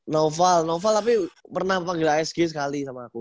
novel noval tapi pernah panggil asg sekali sama aku